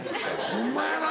ホンマやな。